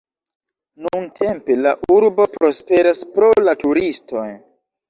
Nuntempe la urbo prosperas pro la turistoj.